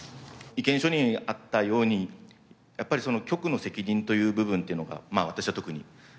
意見書にあったようにやっぱり局の責任という部分というのが私は特に大きくて。